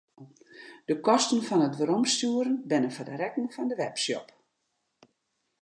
De kosten fan it weromstjoeren binne foar rekken fan de webshop.